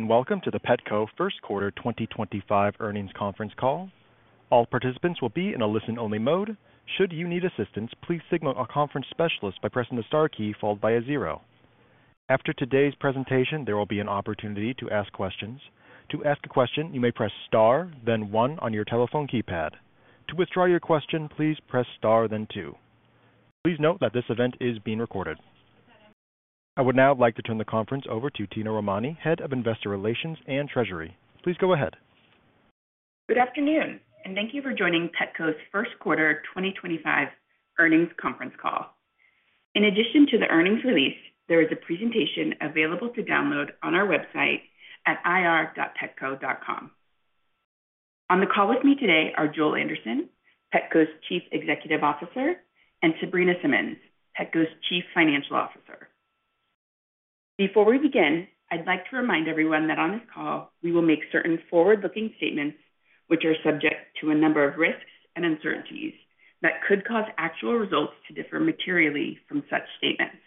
Welcome to the Petco First Quarter 2025 Earnings Conference Call. All participants will be in a listen-only mode. Should you need assistance, please signal a conference specialist by pressing the * key followed by a 0. After today's presentation, there will be an opportunity to ask questions. To ask a question, you may press *, then 1 on your telephone keypad. To withdraw your question, please press *, then 2. Please note that this event is being recorded. I would now like to turn the conference over to Tina Romani, Head of Investor Relations and Treasury. Please go ahead. Good afternoon, and thank you for joining Petco's First Quarter 2025 Earnings Conference Call. In addition to the earnings release, there is a presentation available to download on our website at irpetco.com. On the call with me today are Joel Anderson, Petco's Chief Executive Officer, and Sabrina Simmons, Petco's Chief Financial Officer. Before we begin, I'd like to remind everyone that on this call we will make certain forward-looking statements which are subject to a number of risks and uncertainties that could cause actual results to differ materially from such statements.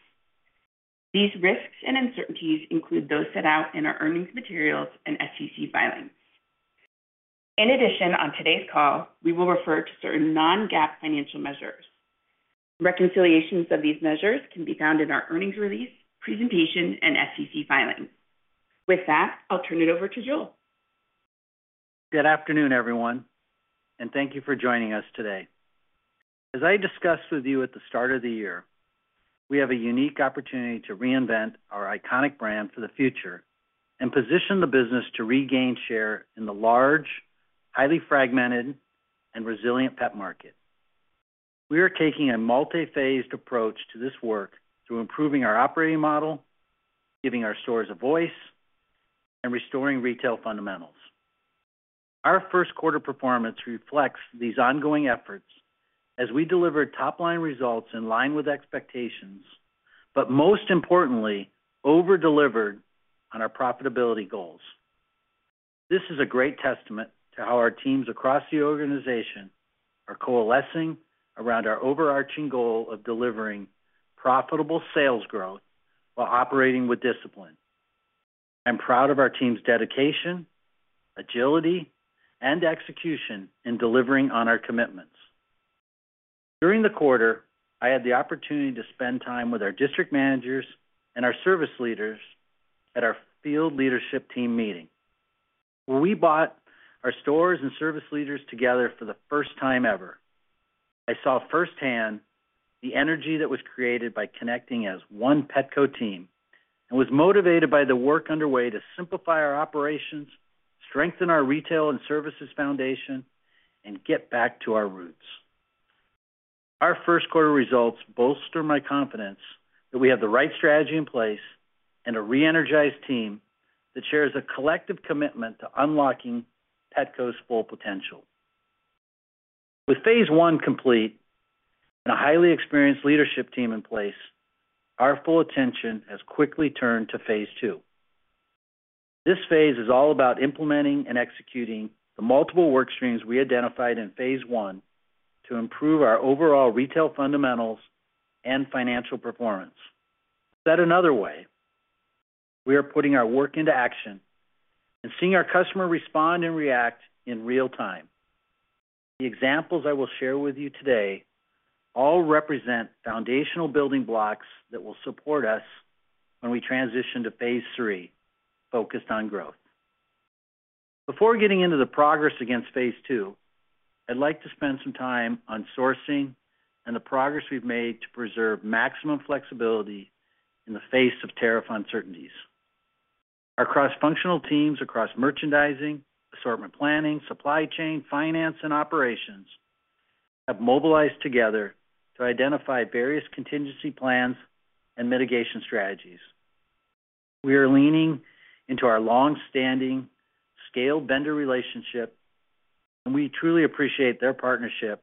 These risks and uncertainties include those set out in our earnings materials and SEC filings. In addition, on today's call, we will refer to certain non-GAAP financial measures. Reconciliations of these measures can be found in our earnings release, presentation, and SEC filing. With that, I'll turn it over to Joel. Good afternoon, everyone, and thank you for joining us today. As I discussed with you at the start of the year, we have a unique opportunity to reinvent our iconic brand for the future and position the business to regain share in the large, highly fragmented, and resilient pet market. We are taking a multi-phased approach to this work through improving our operating model, giving our stores a voice, and restoring retail fundamentals. Our first quarter performance reflects these ongoing efforts as we delivered top-line results in line with expectations, but most importantly, over-delivered on our profitability goals. This is a great testament to how our teams across the organization are coalescing around our overarching goal of delivering profitable sales growth while operating with discipline. I'm proud of our team's dedication, agility, and execution in delivering on our commitments. During the quarter, I had the opportunity to spend time with our district managers and our service leaders at our field leadership team meeting. When we brought our stores and service leaders together for the first time ever, I saw firsthand the energy that was created by connecting as one Petco team and was motivated by the work underway to simplify our operations, strengthen our retail and services foundation, and get back to our roots. Our first quarter results bolster my confidence that we have the right strategy in place and a re-energized team that shares a collective commitment to unlocking Petco's full potential. With phase I complete and a highly experienced leadership team in place, our full attention has quickly turned to phase II. This phase is all about implementing and executing the multiple work streams we identified in phase I to improve our overall retail fundamentals and financial performance. Said another way, we are putting our work into action and seeing our customer respond and react in real time. The examples I will share with you today all represent foundational building blocks that will support us when we transition to phase III focused on growth. Before getting into the progress against phase II, I'd like to spend some time on sourcing and the progress we've made to preserve maximum flexibility in the face of tariff uncertainties. Our cross-functional teams across merchandising, assortment planning, supply chain, finance, and operations have mobilized together to identify various contingency plans and mitigation strategies. We are leaning into our long-standing scaled vendor relationship, and we truly appreciate their partnership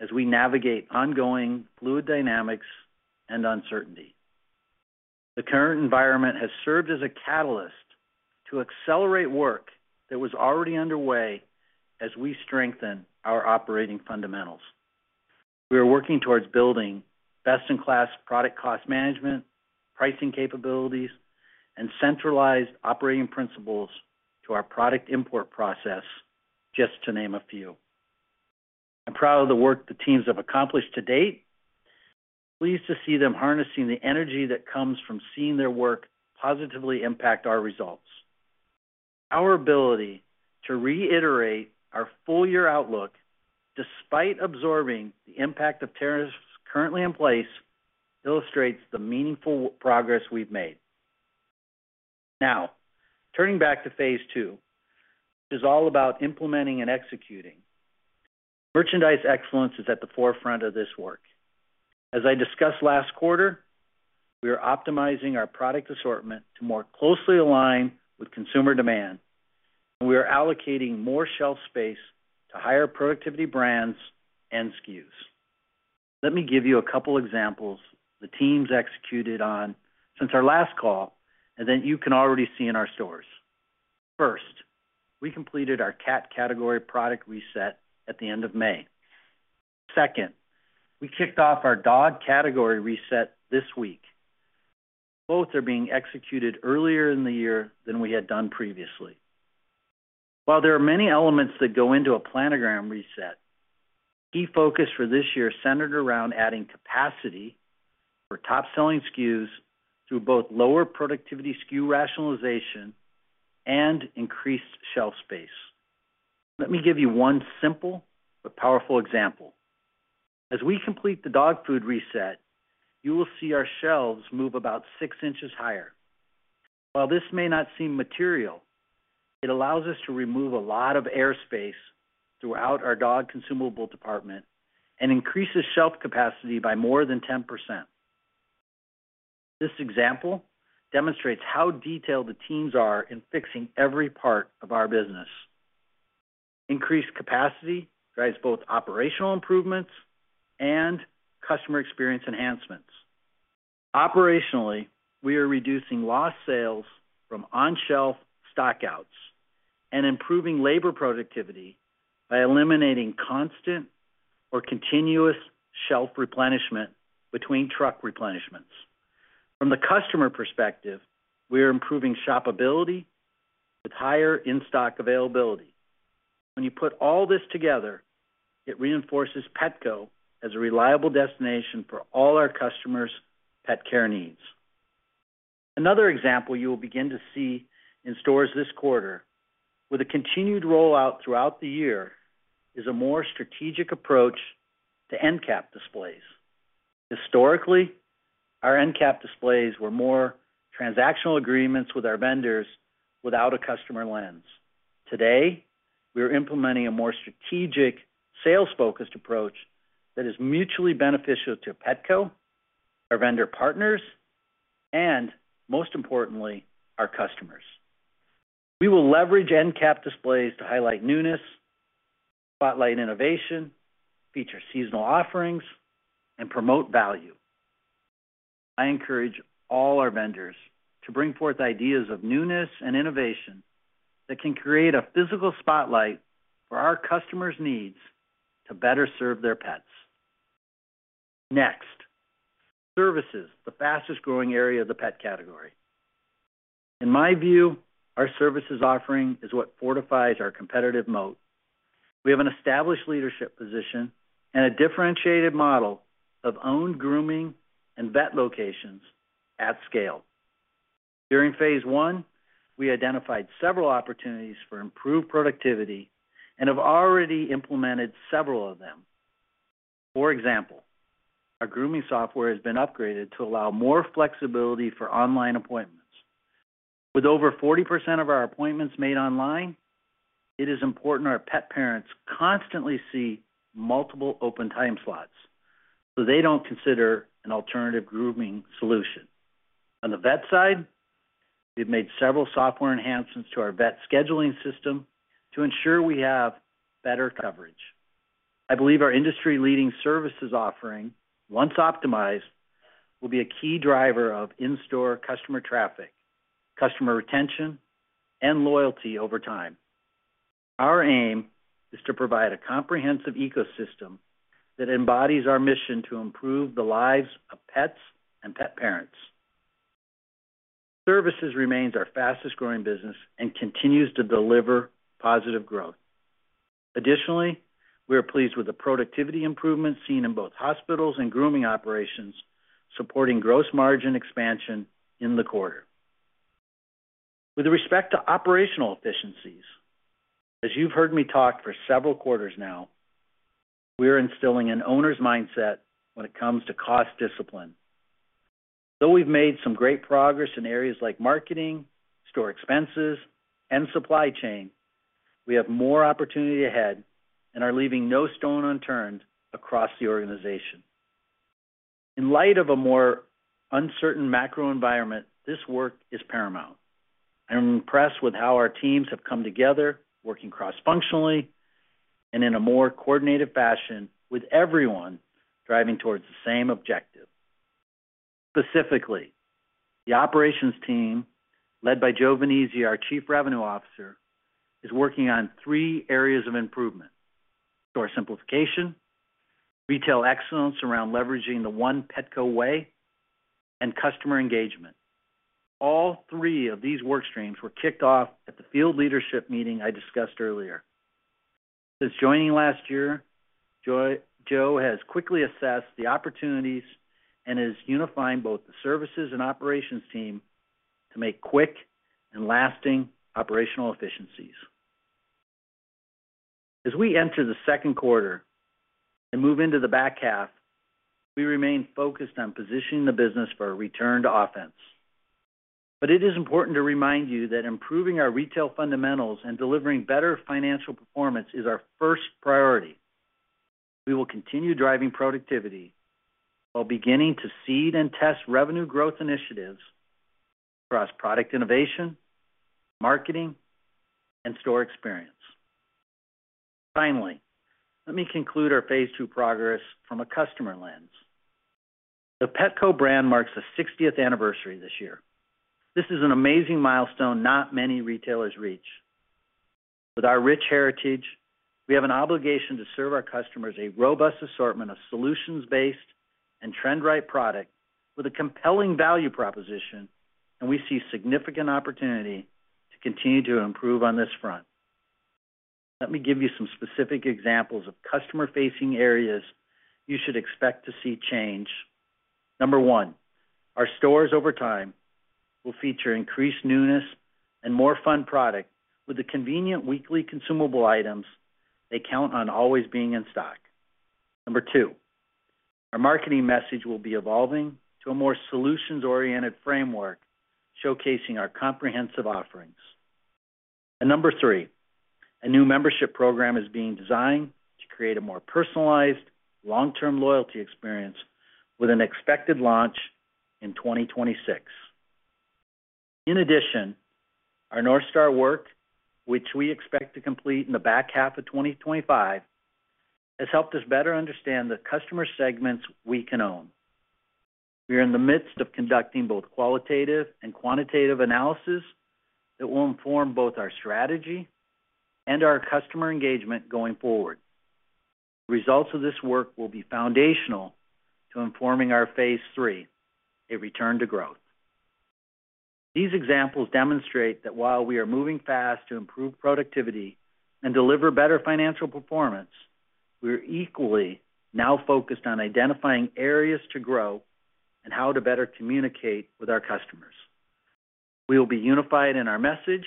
as we navigate ongoing fluid dynamics and uncertainty. The current environment has served as a catalyst to accelerate work that was already underway as we strengthen our operating fundamentals. We are working towards building best-in-class product cost management, pricing capabilities, and centralized operating principles to our product import process, just to name a few. I'm proud of the work the teams have accomplished to date. I'm pleased to see them harnessing the energy that comes from seeing their work positively impact our results. Our ability to reiterate our full-year outlook despite absorbing the impact of tariffs currently in place illustrates the meaningful progress we've made. Now, turning back to phase II, which is all about implementing and executing. Merchandise excellence is at the forefront of this work. As I discussed last quarter, we are optimizing our product assortment to more closely align with consumer demand, and we are allocating more shelf space to higher productivity brands and SKUs. Let me give you a couple of examples the teams executed on since our last call, and that you can already see in our stores. First, we completed our cat category product reset at the end of May. Second, we kicked off our dog category reset this week. Both are being executed earlier in the year than we had done previously. While there are many elements that go into a planogram reset, the key focus for this year centered around adding capacity for top-selling SKUs through both lower productivity SKU rationalization and increased shelf space. Let me give you one simple but powerful example. As we complete the dog food reset, you will see our shelves move about 6 inches higher. While this may not seem material, it allows us to remove a lot of airspace throughout our dog consumable department and increases shelf capacity by more than 10%. This example demonstrates how detailed the teams are in fixing every part of our business. Increased capacity drives both operational improvements and customer experience enhancements. Operationally, we are reducing lost sales from on-shelf stockouts and improving labor productivity by eliminating constant or continuous shelf replenishment between truck replenishments. From the customer perspective, we are improving shoppability with higher in-stock availability. When you put all this together, it reinforces Petco as a reliable destination for all our customers' pet care needs. Another example you will begin to see in stores this quarter with a continued rollout throughout the year is a more strategic approach to end cap displays. Historically, our end cap displays were more transactional agreements with our vendors without a customer lens. Today, we are implementing a more strategic sales-focused approach that is mutually beneficial to Petco, our vendor partners, and most importantly, our customers. We will leverage end cap displays to highlight newness, spotlight innovation, feature seasonal offerings, and promote value. I encourage all our vendors to bring forth ideas of newness and innovation that can create a physical spotlight for our customers' needs to better serve their pets. Next, services, the fastest-growing area of the pet category. In my view, our services offering is what fortifies our competitive moat. We have an established leadership position and a differentiated model of owned grooming and vet locations at scale. During phase I, we identified several opportunities for improved productivity and have already implemented several of them. For example, our grooming software has been upgraded to allow more flexibility for online appointments. With over 40% of our appointments made online, it is important our pet parents constantly see multiple open time slots so they don't consider an alternative grooming solution. On the vet side, we've made several software enhancements to our vet scheduling system to ensure we have better coverage. I believe our industry-leading services offering, once optimized, will be a key driver of in-store customer traffic, customer retention, and loyalty over time. Our aim is to provide a comprehensive ecosystem that embodies our mission to improve the lives of pets and pet parents. Services remains our fastest-growing business and continues to deliver positive growth. Additionally, we are pleased with the productivity improvements seen in both hospitals and grooming operations, supporting gross margin expansion in the quarter. With respect to operational efficiencies, as you've heard me talk for several quarters now, we are instilling an owner's mindset when it comes to cost discipline. Though we've made some great progress in areas like marketing, store expenses, and supply chain, we have more opportunity ahead and are leaving no stone unturned across the organization. In light of a more uncertain macro environment, this work is paramount. I'm impressed with how our teams have come together, working cross-functionally and in a more coordinated fashion with everyone driving towards the same objective. Specifically, the operations team, led by Joe Venezia, our Chief Revenue Officer, is working on three areas of improvement: store simplification, retail excellence around leveraging the one Petco way, and customer engagement. All three of these work streams were kicked off at the field leadership meeting I discussed earlier. Since joining last year, Joe has quickly assessed the opportunities and is unifying both the services and operations team to make quick and lasting operational efficiencies. As we enter the second quarter and move into the back half, we remain focused on positioning the business for a return to offense. It is important to remind you that improving our retail fundamentals and delivering better financial performance is our first priority. We will continue driving productivity while beginning to seed and test revenue growth initiatives across product innovation, marketing, and store experience. Finally, let me conclude our phase II progress from a customer lens. The Petco brand marks the 60th anniversary this year. This is an amazing milestone not many retailers reach. With our rich heritage, we have an obligation to serve our customers a robust assortment of solutions-based and trend-right product with a compelling value proposition, and we see significant opportunity to continue to improve on this front. Let me give you some specific examples of customer-facing areas you should expect to see change. Number one, our stores over time will feature increased newness and more fun product with the convenient weekly consumable items they count on always being in stock. Number two, our marketing message will be evolving to a more solutions-oriented framework showcasing our comprehensive offerings. Number three, a new membership program is being designed to create a more personalized long-term loyalty experience with an expected launch in 2026. In addition, our North Star work, which we expect to complete in the back half of 2025, has helped us better understand the customer segments we can own. We are in the midst of conducting both qualitative and quantitative analysis that will inform both our strategy and our customer engagement going forward. The results of this work will be foundational to informing our phase III, a return to growth. These examples demonstrate that while we are moving fast to improve productivity and deliver better financial performance, we are equally now focused on identifying areas to grow and how to better communicate with our customers. We will be unified in our message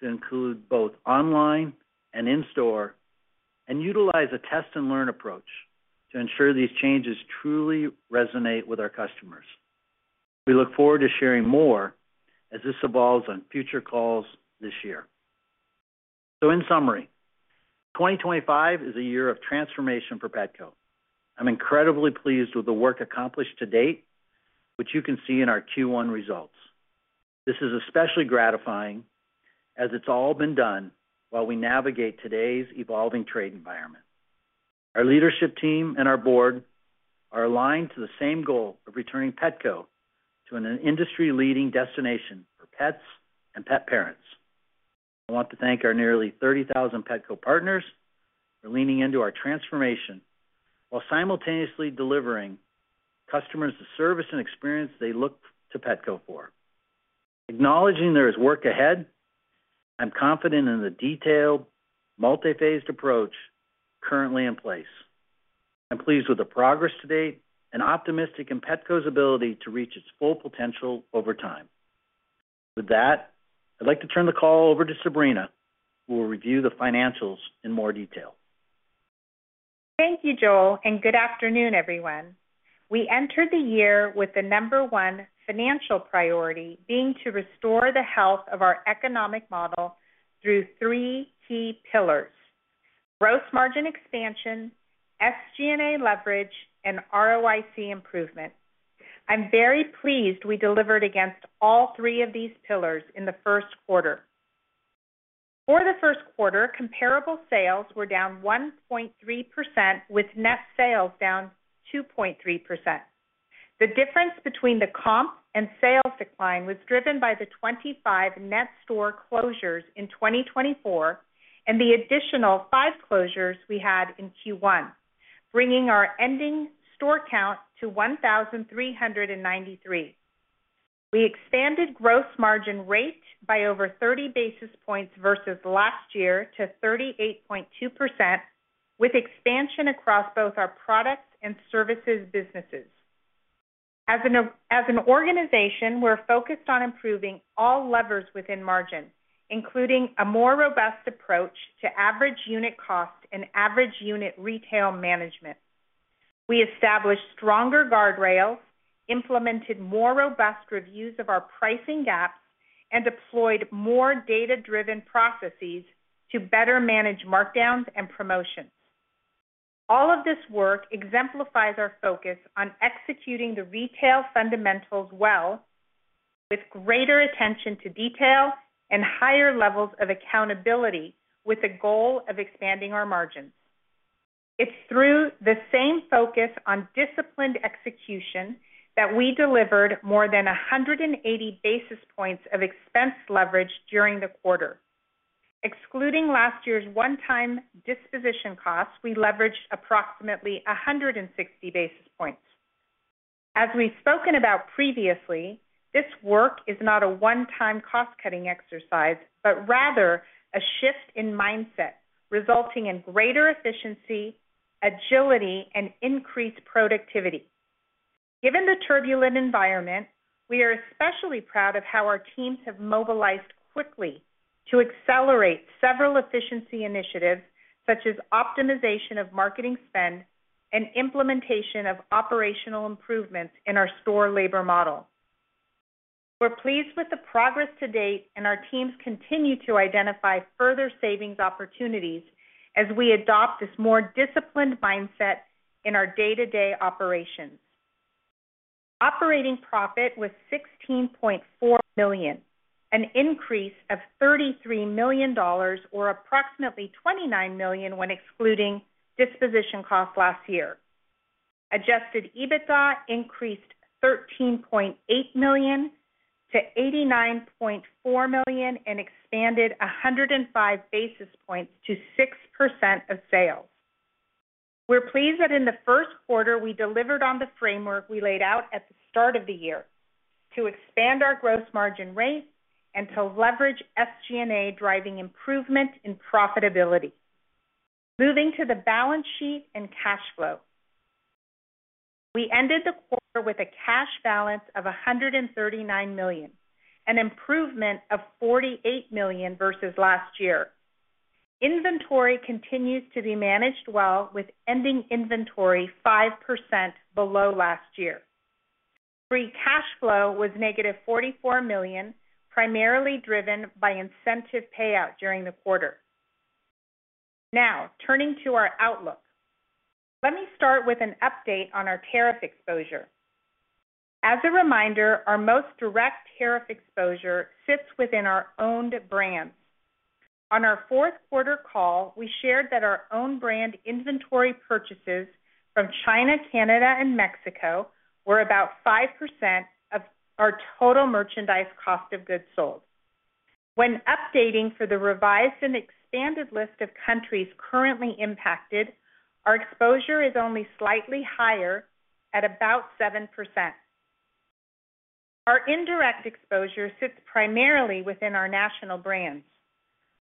to include both online and in-store and utilize a test-and-learn approach to ensure these changes truly resonate with our customers. We look forward to sharing more as this evolves on future calls this year. In summary, 2025 is a year of transformation for Petco. I'm incredibly pleased with the work accomplished to date, which you can see in our Q1 results. This is especially gratifying as it's all been done while we navigate today's evolving trade environment. Our leadership team and our board are aligned to the same goal of returning Petco to an industry-leading destination for pets and pet parents. I want to thank our nearly 30,000 Petco partners for leaning into our transformation while simultaneously delivering customers the service and experience they look to Petco for. Acknowledging there is work ahead, I'm confident in the detailed multi-phased approach currently in place. I'm pleased with the progress to date and optimistic in Petco's ability to reach its full potential over time. With that, I'd like to turn the call over to Sabrina, who will review the financials in more detail. Thank you, Joel, and good afternoon, everyone. We entered the year with the number one financial priority being to restore the health of our economic model through three key pillars: gross margin expansion, SG&A leverage, and ROIC improvement. I'm very pleased we delivered against all three of these pillars in the first quarter. For the first quarter, comparable sales were -1.3%, with net sales -2.3%. The difference between the comp and sales decline was driven by the 25 net store closures in 2024 and the additional five closures we had in Q1, bringing our ending store count to 1,393. We expanded gross margin rate by over 30 basis points versus last year to 38.2%, with expansion across both our products and services businesses. As an organization, we're focused on improving all levers within margin, including a more robust approach to average unit cost and average unit retail management. We established stronger guardrails, implemented more robust reviews of our pricing gaps, and deployed more data-driven processes to better manage markdowns and promotions. All of this work exemplifies our focus on executing the retail fundamentals well, with greater attention to detail and higher levels of accountability, with a goal of expanding our margins. It's through the same focus on disciplined execution that we delivered more than 180 basis points of expense leverage during the quarter. Excluding last year's one-time disposition costs, we leveraged approximately 160 basis points. As we've spoken about previously, this work is not a one-time cost-cutting exercise, but rather a shift in mindset, resulting in greater efficiency, agility, and increased productivity. Given the turbulent environment, we are especially proud of how our teams have mobilized quickly to accelerate several efficiency initiatives, such as optimization of marketing spend and implementation of operational improvements in our store labor model. We're pleased with the progress to date, and our teams continue to identify further savings opportunities as we adopt this more disciplined mindset in our day-to-day operations. Operating profit was $16.4 million, an increase of $33 million, or approximately $29 million when excluding disposition costs last year. Adjusted EBITDA increased $13.8 million to =$89.4 million and expanded 105 basis points to 6% of sales. We're pleased that in the first quarter, we delivered on the framework we laid out at the start of the year to expand our gross margin rate and to leverage SG&A driving improvement in profitability. Moving to the balance sheet and cash flow. We ended the quarter with a cash balance of $139 million, an improvement of $48 million versus last year. Inventory continues to be managed well, with ending inventory 5% below last year. Free cash flow was -$44 million, primarily driven by incentive payout during the quarter. Now, turning to our outlook, let me start with an update on our tariff exposure. As a reminder, our most direct tariff exposure sits within our owned brands. On our fourth quarter call, we shared that our owned brand inventory purchases from China, Canada, and Mexico were about 5% of our total merchandise cost of goods sold. When updating for the revised and expanded list of countries currently impacted, our exposure is only slightly higher at about 7%. Our indirect exposure sits primarily within our national brands.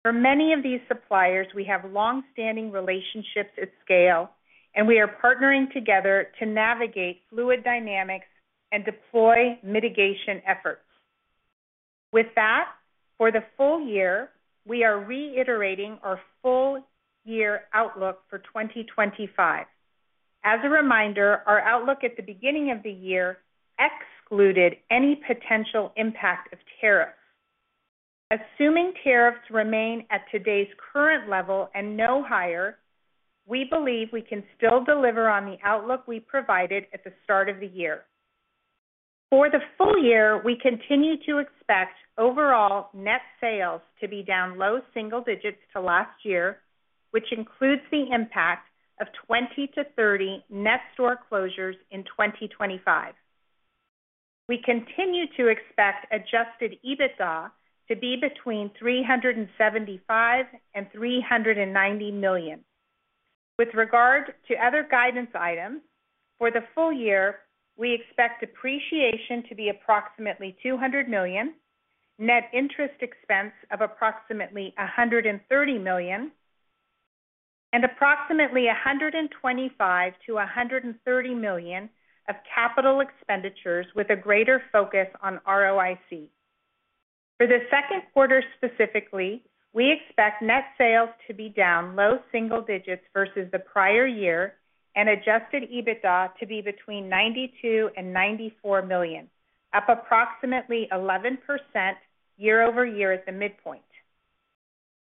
For many of these suppliers, we have long-standing relationships at scale, and we are partnering together to navigate fluid dynamics and deploy mitigation efforts. With that, for the full year, we are reiterating our full-year outlook for 2025. As a reminder, our outlook at the beginning of the year excluded any potential impact of tariffs. Assuming tariffs remain at today's current level and no higher, we believe we can still deliver on the outlook we provided at the start of the year. For the full year, we continue to expect overall net sales to be down low single digits to last year, which includes the impact of 20-30 net store closures in 2025. We continue to expect adjusted EBITDA to be between $375 million and $390 million. With regard to other guidance items, for the full year, we expect depreciation to be approximately $200 million, net interest expense of approximately $130 million, and approximately $125 million-$130 million of capital expenditures with a greater focus on ROIC. For the second quarter specifically, we expect net sales to be down low single digits versus the prior year and adjusted EBITDA to be between $92 million and $94 million, up approximately 11% year-over-year at the midpoint.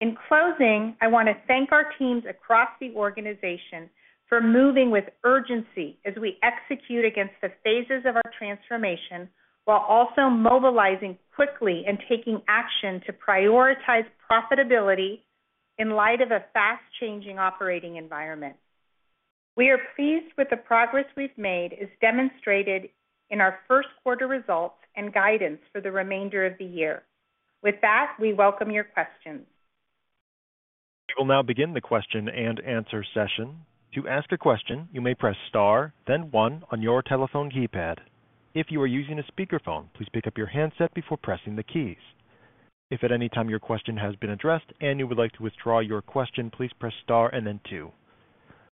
In closing, I want to thank our teams across the organization for moving with urgency as we execute against the phases of our transformation while also mobilizing quickly and taking action to prioritize profitability in light of a fast-changing operating environment. We are pleased with the progress we've made as demonstrated in our first quarter results and guidance for the remainder of the year. With that, we welcome your questions. We will now begin the question and answer session. To ask a question, you may press *, then 1, on your telephone keypad. If you are using a speakerphone, please pick up your handset before pressing the keys. If at any time your question has been addressed and you would like to withdraw your question, please press * and then 2.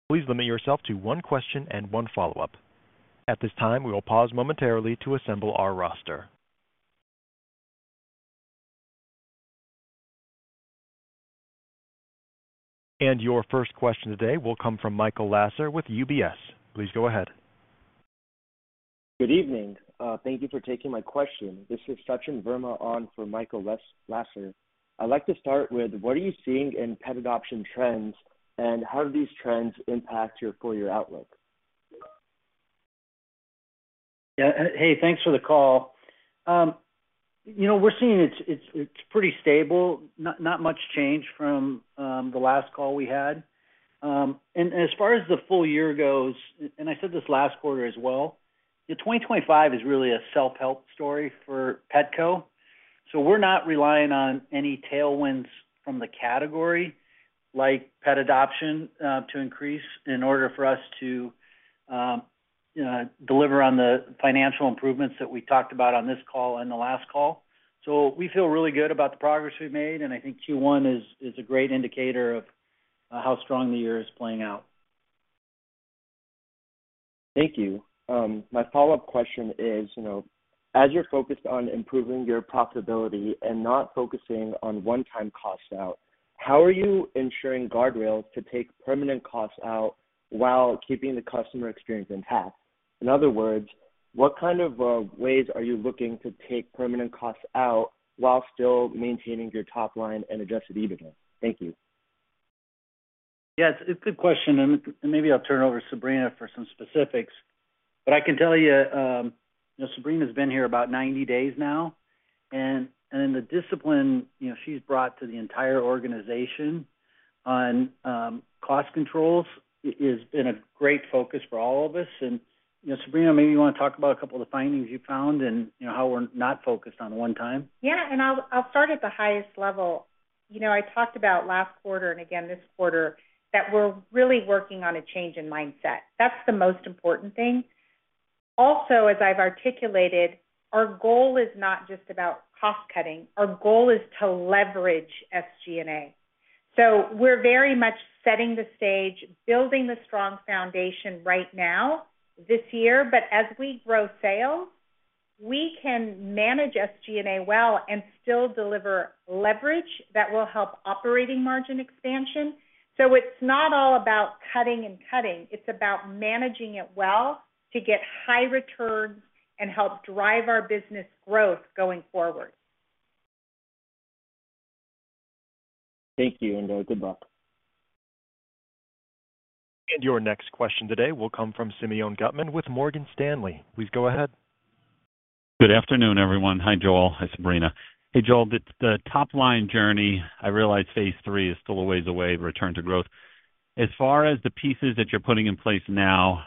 Please limit yourself to one question and one follow-up. At this time, we will pause momentarily to assemble our roster. Your first question today will come from Michael Lasser with UBS. Please go ahead. Good evening. Thank you for taking my question. This is Sachin Verma on for Michael Lasser. I'd like to start with, what are you seeing in pet adoption trends, and how do these trends impact your full-year outlook? Yeah. Hey, thanks for the call. We're seeing it's pretty stable, not much change from the last call we had. As far as the full year goes, and I said this last quarter as well, 2025 is really a self-help story for Petco. We are not relying on any tailwinds from the category like pet adoption to increase in order for us to deliver on the financial improvements that we talked about on this call and the last call. We feel really good about the progress we've made, and I think Q1 is a great indicator of how strong the year is playing out. Thank you. My follow-up question is, as you're focused on improving your profitability and not focusing on one-time costs out, how are you ensuring guardrails to take permanent costs out while keeping the customer experience intact? In other words, what kind of ways are you looking to take permanent costs out while still maintaining your top line and adjusted EBITDA? Thank you. Yeah. It's a good question, and maybe I'll turn it over to Sabrina for some specifics. I can tell you, Sabrina's been here about 90 days now, and the discipline she's brought to the entire organization on cost controls has been a great focus for all of us. Sabrina, maybe you want to talk about a couple of the findings you found and how we're not focused on one time. Yeah. I'll start at the highest level. I talked about last quarter and again this quarter that we're really working on a change in mindset. That's the most important thing. Also, as I've articulated, our goal is not just about cost-cutting. Our goal is to leverage SG&A. We are very much setting the stage, building the strong foundation right now this year. As we grow sales, we can manage SG&A well and still deliver leverage that will help operating margin expansion. It is not all about cutting and cutting. It is about managing it well to get high returns and help drive our business growth going forward. Thank you, and good luck. Your next question today will come from Simeon Gutman with Morgan Stanley. Please go ahead. Good afternoon, everyone. Hi, Joel. Hi, Sabrina. Hey, Joel. The top line journey, I realize phase III is still a ways away, return to growth. As far as the pieces that you're putting in place now,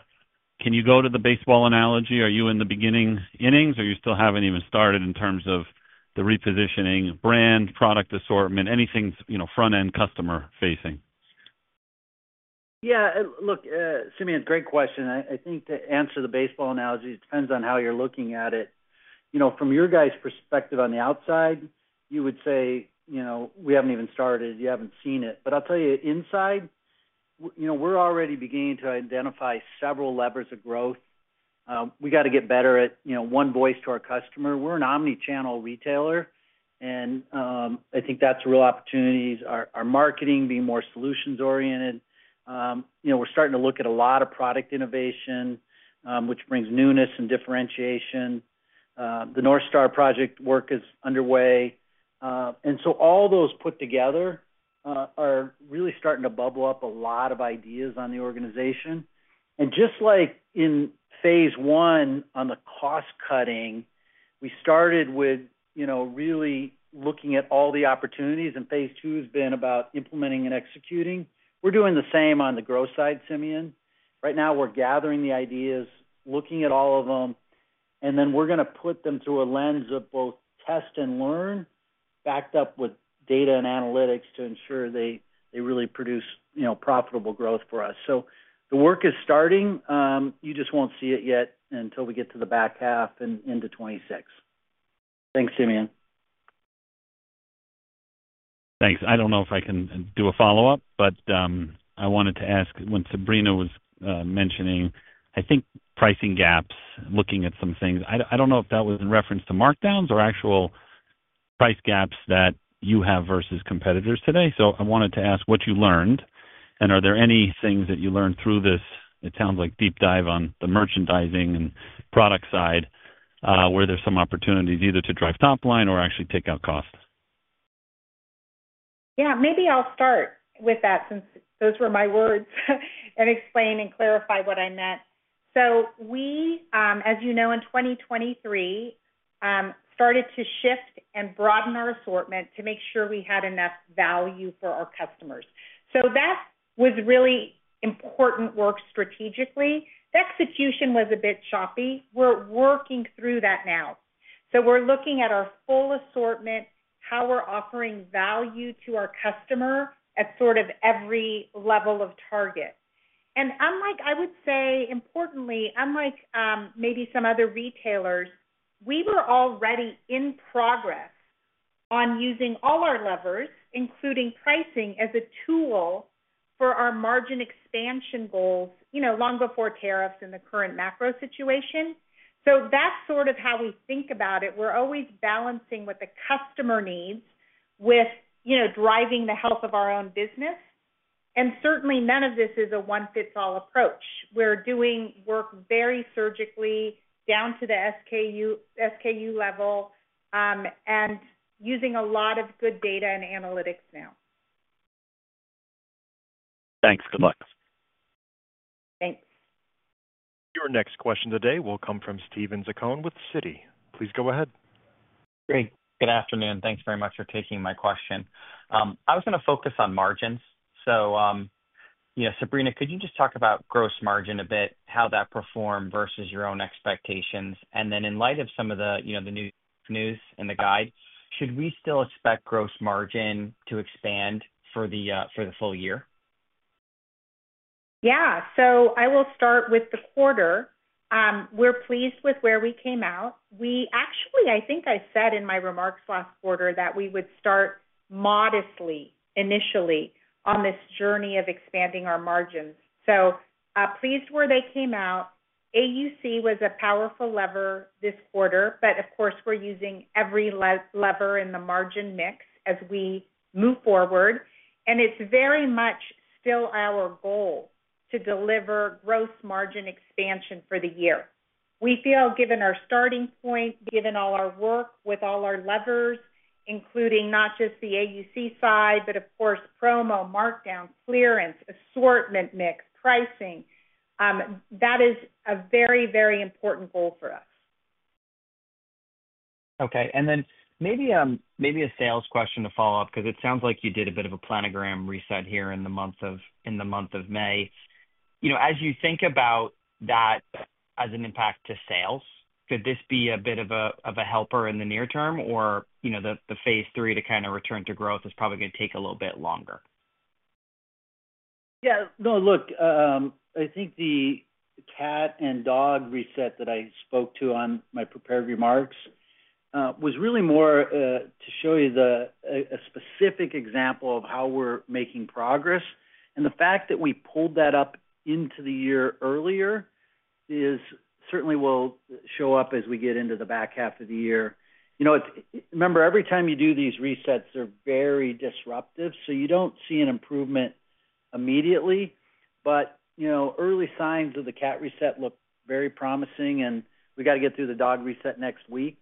can you go to the baseball analogy? Are you in the beginning innings, or are you still haven't even started in terms of the repositioning, brand, product assortment, anything front-end customer-facing? Yeah. Look, Simeon, great question. I think to answer the baseball analogy, it depends on how you're looking at it. From your guys' perspective on the outside, you would say, "We haven't even started. You haven't seen it." But I'll tell you, inside, we're already beginning to identify several levers of growth. We got to get better at one voice to our customer. We're an omnichannel retailer, and I think that's real opportunities. Our marketing being more solutions-oriented. We're starting to look at a lot of product innovation, which brings newness and differentiation. The North Star project work is underway. All those put together are really starting to bubble up a lot of ideas on the organization. Just like in phase I on the cost-cutting, we started with really looking at all the opportunities, and phase II has been about implementing and executing. We're doing the same on the growth side, Simeon. Right now, we're gathering the ideas, looking at all of them, and then we're going to put them through a lens of both test and learn, backed up with data and analytics to ensure they really produce profitable growth for us. The work is starting. You just won't see it yet until we get to the back half and into 2026. Thanks, Simeon. Thanks. I do not know if I can do a follow-up, but I wanted to ask when Sabrina was mentioning, I think, pricing gaps, looking at some things. I do not know if that was in reference to markdowns or actual price gaps that you have versus competitors today. I wanted to ask what you learned, and are there any things that you learned through this, it sounds like, deep dive on the merchandising and product side where there are some opportunities either to drive top line or actually take out costs? Yeah. Maybe I will start with that since those were my words and explain and clarify what I meant. We, as you know, in 2023, started to shift and broaden our assortment to make sure we had enough value for our customers. That was really important work strategically. The execution was a bit choppy. We are working through that now. We're looking at our full assortment, how we're offering value to our customer at sort of every level of target. I would say, importantly, unlike maybe some other retailers, we were already in progress on using all our levers, including pricing, as a tool for our margin expansion goals long before tariffs and the current macro situation. That's sort of how we think about it. We're always balancing what the customer needs with driving the health of our own business. Certainly, none of this is a one-fits-all approach. We're doing work very surgically down to the SKU level and using a lot of good data and analytics now. Thanks. Good luck. Thanks. Your next question today will come from Steven Zaccone with Citi. Please go ahead. Great. Good afternoon. Thanks very much for taking my question. I was going to focus on margins. Sabrina, could you just talk about gross margin a bit, how that performed versus your own expectations? In light of some of the news and the guide, should we still expect gross margin to expand for the full year? Yeah. I will start with the quarter. We're pleased with where we came out. Actually, I think I said in my remarks last quarter that we would start modestly initially on this journey of expanding our margins. Pleased where they came out. AUC was a powerful lever this quarter, but of course, we're using every lever in the margin mix as we move forward. It is very much still our goal to deliver gross margin expansion for the year. We feel, given our starting point, given all our work with all our levers, including not just the AUC side, but of course, promo, markdown, clearance, assortment mix, pricing, that is a very, very important goal for us. Okay. Maybe a sales question to follow up because it sounds like you did a bit of a planogram reset here in the month of May. As you think about that as an impact to sales, could this be a bit of a helper in the near term, or the phase III to kind of return to growth is probably going to take a little bit longer? Yeah. No, look, I think the cat and dog reset that I spoke to on my prepared remarks was really more to show you a specific example of how we're making progress. The fact that we pulled that up into the year earlier certainly will show up as we get into the back half of the year. Remember, every time you do these resets, they're very disruptive, so you don't see an improvement immediately. Early signs of the cat reset look very promising, and we got to get through the dog reset next week.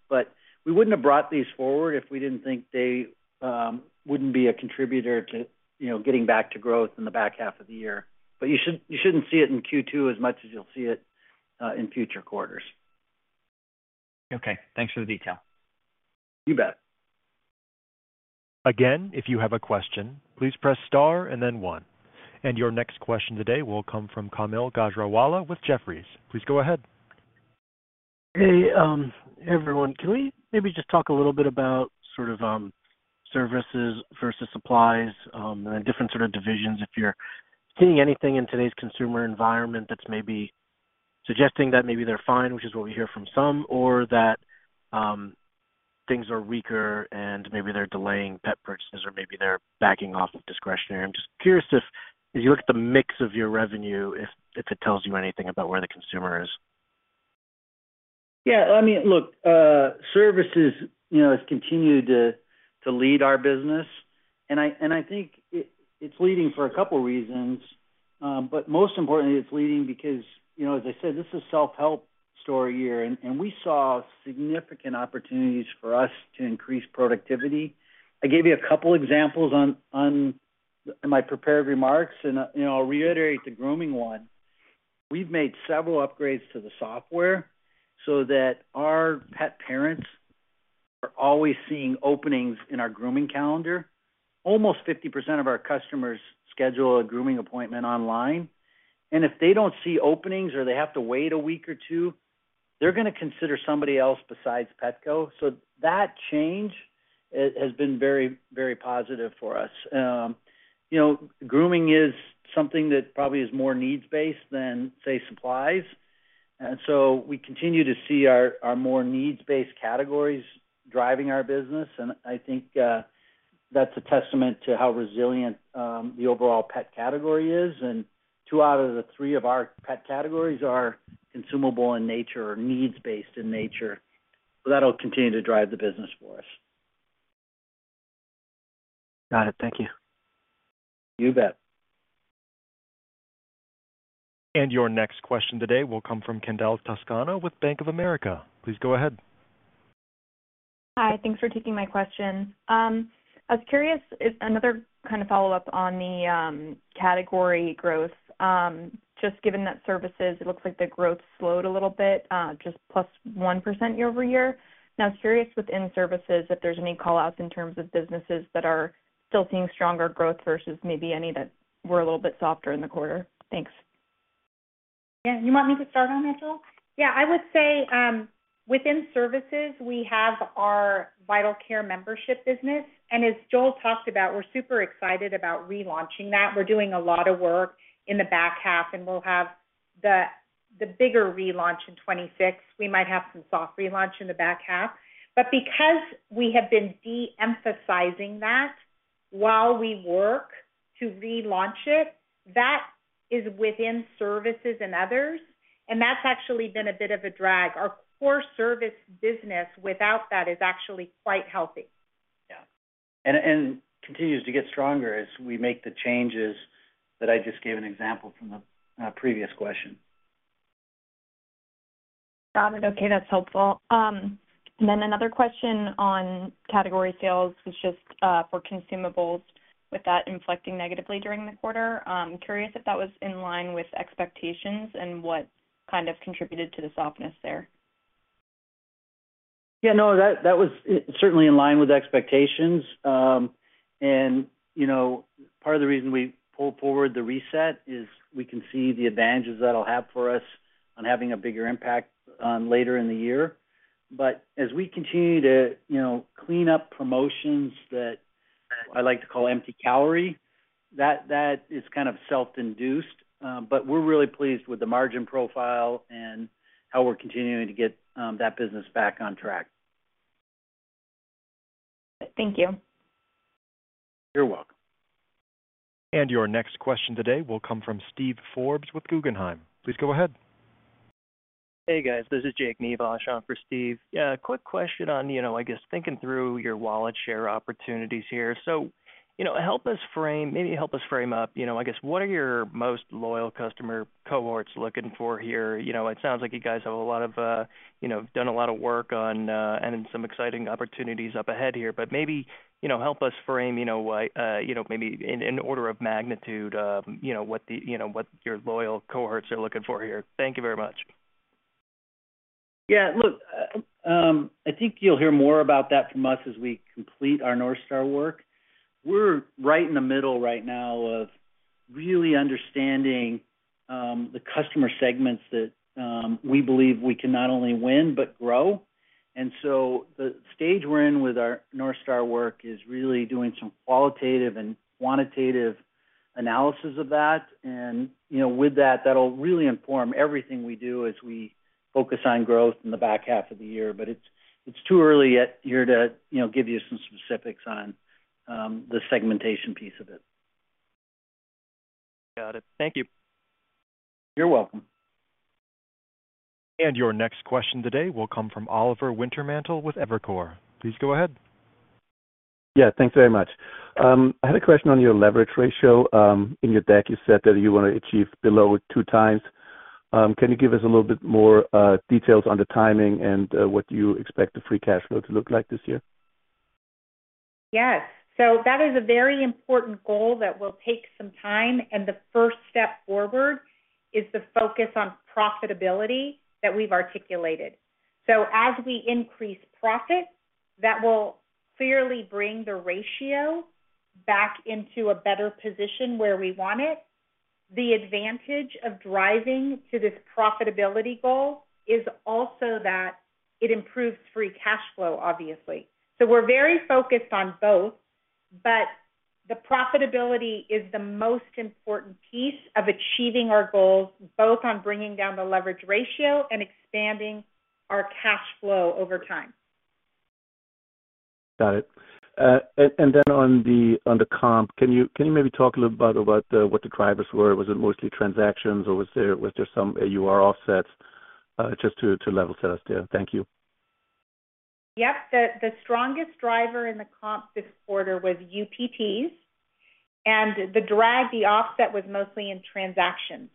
We wouldn't have brought these forward if we didn't think they wouldn't be a contributor to getting back to growth in the back half of the year. You shouldn't see it in Q2 as much as you'll see it in future quarters. Okay. Thanks for the detail. You bet. Again, if you have a question, please press * and then 1. Your next question today will come from Kaumil Gajrawala with Jefferies. Please go ahead. Hey, everyone. Can we maybe just talk a little bit about sort of services versus supplies and different sort of divisions? If you're seeing anything in today's consumer environment that's maybe suggesting that maybe they're fine, which is what we hear from some, or that things are weaker and maybe they're delaying pet purchases or maybe they're backing off of discretionary, I'm just curious if you look at the mix of your revenue, if it tells you anything about where the consumer is. Yeah. I mean, look, services have continued to lead our business. I think it's leading for a couple of reasons. Most importantly, it's leading because, as I said, this is a self-help store year, and we saw significant opportunities for us to increase productivity. I gave you a couple of examples in my prepared remarks, and I'll reiterate the grooming one. We've made several upgrades to the software so that our pet parents are always seeing openings in our grooming calendar. Almost 50% of our customers schedule a grooming appointment online. If they do not see openings or they have to wait a week or two, they are going to consider somebody else besides Petco. That change has been very, very positive for us. Grooming is something that probably is more needs-based than, say, supplies. We continue to see our more needs-based categories driving our business. I think that is a testament to how resilient the overall pet category is. Two out of the three of our pet categories are consumable in nature or needs-based in nature. That will continue to drive the business for us. Got it. Thank you. You bet. Your next question today will come from Kendall Toscano with Bank of America. Please go ahead. Hi. Thanks for taking my question. I was curious, another kind of follow-up on the category growth. Just given that services, it looks like the growth slowed a little bit, just +1% year-over-year. I was curious within services if there's any callouts in terms of businesses that are still seeing stronger growth versus maybe any that were a little bit softer in the quarter. Thanks. Yeah. You want me to start on that, Joel? Yeah. I would say within services, we have our Vital Care membership business. As Joel talked about, we're super excited about relaunching that. We're doing a lot of work in the back half, and we'll have the bigger relaunch in 2026. We might have some soft relaunch in the back half. Because we have been de-emphasizing that while we work to relaunch it, that is within services and others, and that has actually been a bit of a drag. Our core service business without that is actually quite healthy. Yeah. It continues to get stronger as we make the changes that I just gave an example from the previous question. Got it. Okay. That is helpful. Another question on category sales was just for consumables. With that inflecting negatively during the quarter, I am curious if that was in line with expectations and what kind of contributed to the softness there. Yeah. No, that was certainly in line with expectations. Part of the reason we pulled forward the reset is we can see the advantages that it will have for us on having a bigger impact later in the year. As we continue to clean up promotions that I like to call empty calorie, that is kind of self-induced. We are really pleased with the margin profile and how we are continuing to get that business back on track. Thank you. You are welcome. Your next question today will come from Steve Forbes with Guggenheim. Please go ahead. Hey, guys. This is Jake Nivasch, for Steve. Yeah. Quick question on, I guess, thinking through your wallet share opportunities here. Help us frame, maybe help us frame up, I guess, what are your most loyal customer cohorts looking for here? It sounds like you guys have done a lot of work on and some exciting opportunities up ahead here. Maybe help us frame, maybe in order of magnitude, what your loyal cohorts are looking for here. Thank you very much. Yeah. Look, I think you'll hear more about that from us as we complete our North Star work. We're right in the middle right now of really understanding the customer segments that we believe we can not only win but grow. The stage we're in with our North Star work is really doing some qualitative and quantitative analysis of that. With that, that'll really inform everything we do as we focus on growth in the back half of the year. It's too early yet here to give you some specifics on the segmentation piece of it. Got it. Thank you. You're welcome. Your next question today will come from Oliver Wintermantel with Evercore. Please go ahead. Yeah. Thanks very much. I had a question on your leverage ratio. In your deck, you said that you want to achieve below two times. Can you give us a little bit more details on the timing and what you expect the free cash flow to look like this year? Yes. That is a very important goal that will take some time. The first step forward is the focus on profitability that we've articulated. As we increase profit, that will clearly bring the ratio back into a better position where we want it. The advantage of driving to this profitability goal is also that it improves free cash flow, obviously. We are very focused on both, but the profitability is the most important piece of achieving our goals, both on bringing down the leverage ratio and expanding our cash flow over time. Got it. On the comp, can you maybe talk a little bit about what the drivers were? Was it mostly transactions, or was there some AUR offsets just to level set us there? Thank you. Yep. The strongest driver in the comp this quarter was UPTs. The drag, the offset, was mostly in transactions.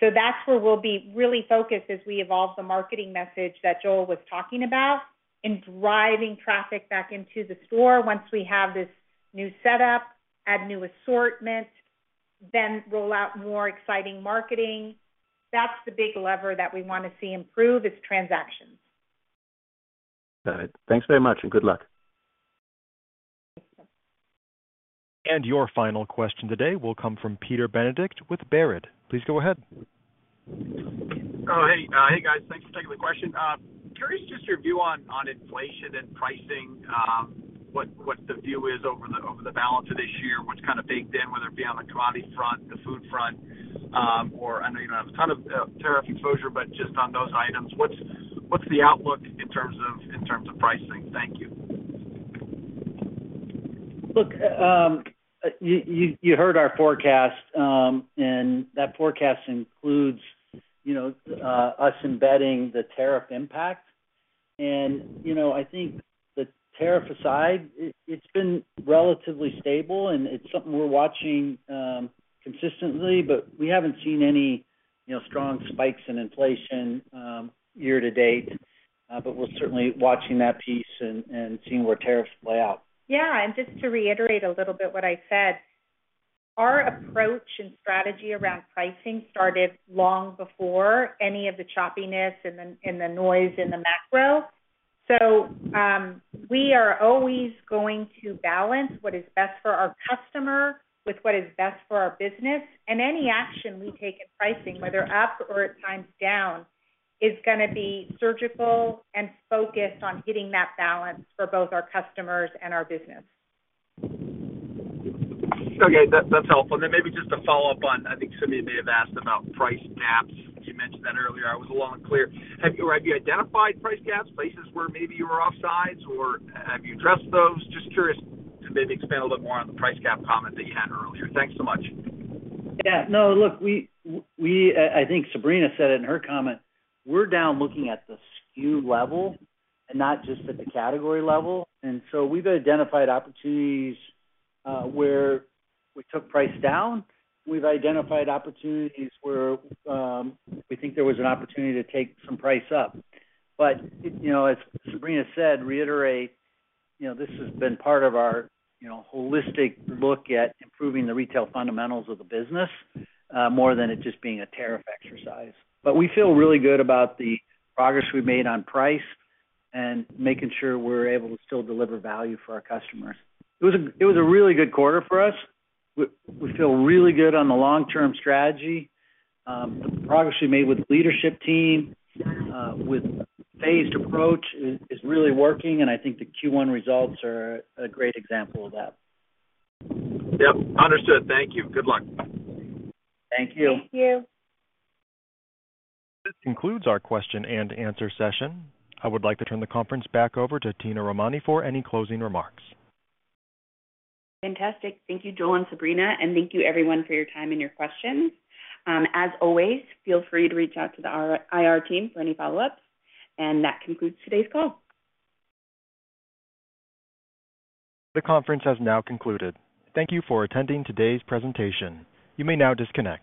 That is where we will be really focused as we evolve the marketing message that Joel was talking about in driving traffic back into the store once we have this new setup, add new assortment, then roll out more exciting marketing. That is the big lever that we want to see improve, is transactions. Got it. Thanks very much and good luck. Thanks. Your final question today will come from Peter Benedict with Baird. Please go ahead. Hey, guys. Thanks for taking the question. Curious just your view on inflation and pricing, what the view is over the balance of this year, what's kind of baked in, whether it be on the commodity front, the food front, or I know you don't have a ton of tariff exposure, but just on those items, what's the outlook in terms of pricing? Thank you. Look, you heard our forecast, and that forecast includes us embedding the tariff impact. I think the tariff aside, it's been relatively stable, and it's something we're watching consistently, but we haven't seen any strong spikes in inflation year to date. We're certainly watching that piece and seeing where tariffs play out. Yeah. Just to reiterate a little bit what I said, our approach and strategy around pricing started long before any of the choppiness and the noise in the macro. We are always going to balance what is best for our customer with what is best for our business. Any action we take in pricing, whether up or at times down, is going to be surgical and focused on hitting that balance for both our customers and our business. Okay. That's helpful. Maybe just to follow up on, I think somebody may have asked about price gaps. You mentioned that earlier. I was a little unclear. Have you identified price gaps, places where maybe you were offsides, or have you addressed those? Just curious to maybe expand a little bit more on the price gap comment that you had earlier. Thanks so much. Yeah. No, look, I think Sabrina said it in her comment. We're down looking at the SKU level and not just at the category level. We have identified opportunities where we took price down. We have identified opportunities where we think there was an opportunity to take some price up. As Sabrina said, reiterate, this has been part of our holistic look at improving the retail fundamentals of the business more than it just being a tariff exercise. We feel really good about the progress we have made on price and making sure we are able to still deliver value for our customers. It was a really good quarter for us. We feel really good on the long-term strategy. The progress we made with the leadership team, with the phased approach, is really working. I think the Q1 results are a great example of that. Yep. Understood. Thank you. Good luck. Thank you. Thank you. This concludes our question and answer session. I would like to turn the conference back over to Tina Romani for any closing remarks. Fantastic. Thank you, Joel and Sabrina. Thank you, everyone, for your time and your questions. As always, feel free to reach out to the IR team for any follow-ups. That concludes today's call. The conference has now concluded. Thank you for attending today's presentation. You may now disconnect.